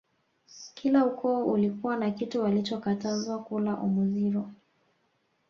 kila ukoo ulikuwa na kitu walichokatazwa kula Omuziro